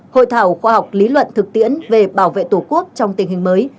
hội thảo khoa học lý luận thực tiễn về bảo vệ tổ quốc trong tình hình mới